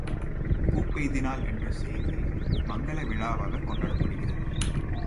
பூப்பெய்தினாள் என்ற செய்தி மங்கல விழாவாகக் கொண்டாடப்படுகிறது.